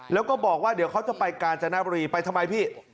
แล้วก็บอกว่าเดี๋ยวเขาจะไปกาญจนบุรีไปทำไมพี่